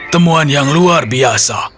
temuan yang luar biasa